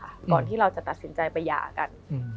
ก่อนที่เราจะตัดสินใจไปหย่ากัน